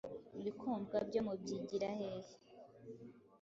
Urikwumva" byo mubyigira hehe,